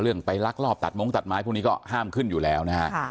เรื่องไปรักรอบตัดมุ้งตัดไม้พรุ่งนี้ก็ห้ามขึ้นอยู่แล้ว